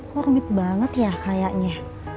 hormit banget ya kayaknya